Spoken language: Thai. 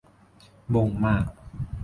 บ๊งมาก